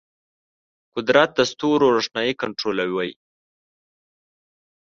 قدرت د ستورو روښنايي کنټرولوي.